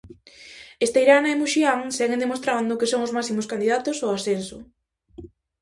Esteirana e muxían seguen demostrando que son os máximos candidatos ao ascenso.